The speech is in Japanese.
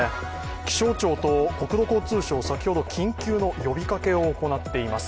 気象庁と国土交通省、先ほど緊急の呼びかけを行っています。